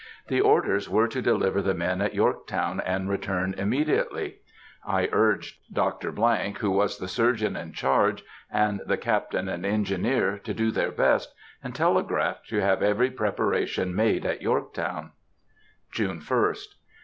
The orders were to deliver the men at Yorktown and return immediately. I urged Dr. ——, who was the surgeon in charge, and the captain and engineer to do their best, and telegraphed to have every preparation made at Yorktown. _June 1st.